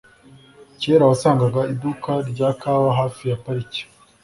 Kera wasangaga iduka rya kawa hafi ya parike.